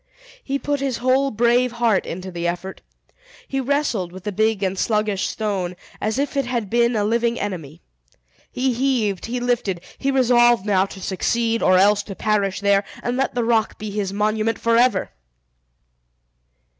He put his whole brave heart into the effort. He wrestled with the big and sluggish stone, as if it had been a living enemy. He heaved, he lifted, he resolved now to succeed, or else to perish there, and let the rock be his monument forever!